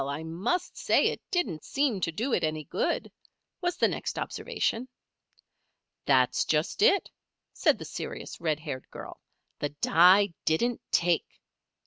I must say it didn't seem to do it any good," was the next observation. "That's just it," said the serious, red haired girl. "The dye didn't take."